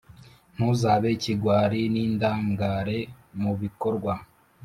ntuzabe ikigwari n’indangare mu bikorwa